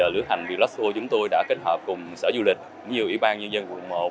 lưu hành vlog tour chúng tôi đã kết hợp cùng sở du lịch nhiều ủy ban nhân dân quận một